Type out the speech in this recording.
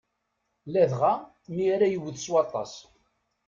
Ladɣa mi ara yewwet s waṭas.